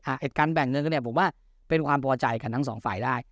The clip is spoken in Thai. อ่าเอ็ดการแบ่งเงินก็เนี่ยบอกว่าเป็นความประวัติใจกันทั้งสองฝ่ายได้